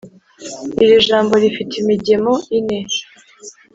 iri jambo rifite imigemo ine.